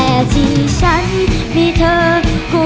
เรียกประกันแล้วยังคะ